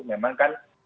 memang kan tidak